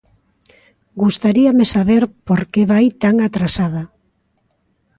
Gustaríame saber por que vai tan atrasada.